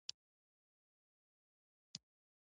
چې د یوې ټولګیوالې یې په لیسه کې